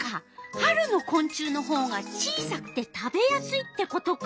春のこん虫のほうが小さくて食べやすいってことか。